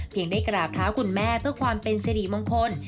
ได้กราบเท้าคุณแม่เพื่อความเป็นสิริมงคล